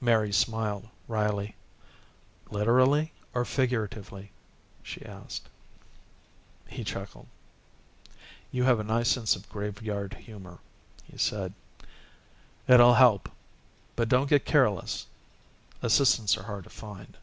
Mary smiled wryly. "Literally or figuratively?" she asked. He chuckled. "You have a nice sense of graveyard humor," he said. "It'll help. But don't get careless. Assistants are hard to find."